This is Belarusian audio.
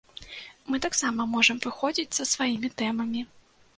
Мы таксама можам выходзіць са сваімі тэмамі.